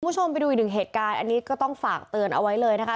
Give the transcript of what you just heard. คุณผู้ชมไปดูอีกหนึ่งเหตุการณ์อันนี้ก็ต้องฝากเตือนเอาไว้เลยนะคะ